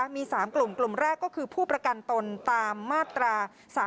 มี๓กลุ่มกลุ่มแรกก็คือผู้ประกันตนตามมาตรา๓๔